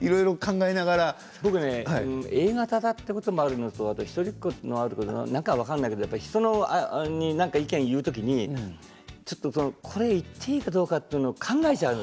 僕はＡ型だということもあるのと一人っ子というのもあるかもしれないけど人に何か意見を言う時にちょっとこれ、言っていいかどうかと考えちゃう。